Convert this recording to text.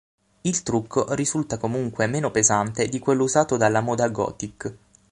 Il trucco risulta comunque meno pesante di quello usato dalla moda gothic.